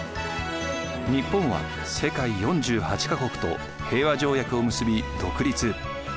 日本は世界４８か国と平和条約を結び独立。